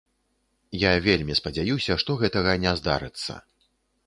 Я вельмі спадзяюся, што гэтага не здарыцца.